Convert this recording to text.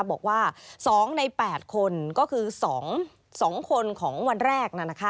บอกว่า๒ใน๘คนก็คือ๒คนของวันแรก